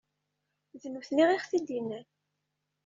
D nutni i aɣ-t-id-innan.